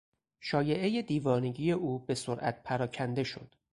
شایعهی دیوانگی او به سرعت پراکنده شد.